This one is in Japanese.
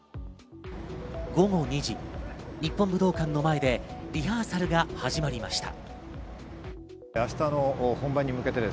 午後２時、日本武道館の前でリハーサルが始まりました。